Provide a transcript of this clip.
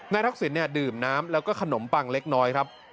ทักษิณดื่มน้ำแล้วก็ขนมปังเล็กน้อยครับ